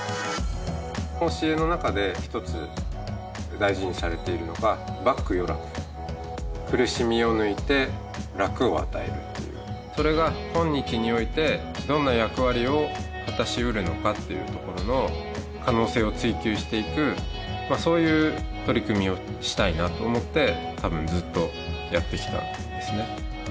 教えの中で一つ大事にされているのが苦しみを抜いて楽を与えるっていうそれが今日においてどんな役割を果たしうるのかっていうところの可能性を追求していくそういう取り組みをしたいなと思って多分ずっとやってきたんですね